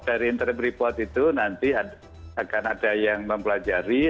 dari interim report itu nanti akan ada yang mempelajari